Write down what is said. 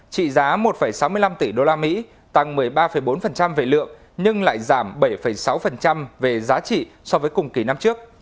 trị giá một sáu mươi năm tỷ usd tăng một mươi ba bốn về lượng nhưng lại giảm bảy sáu về giá trị so với cùng kỳ năm trước